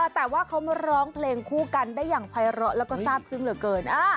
แต่ว่าเขามาร้องเพลงคู่กันได้อย่างภัยร้อแล้วก็ทราบซึ้งเหลือเกิน